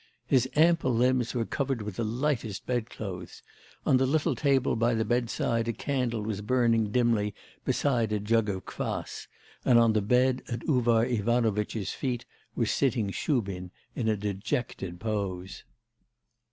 His ample limbs were covered with the lightest bedclothes. On the little table by the bedside a candle was burning dimly beside a jug of kvas, and on the bed at Uvar Ivanovitch's feet was sitting Shubin in a dejected pose.